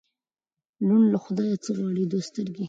ـ ړوند له خدايه څه غواړي، دوې سترګې.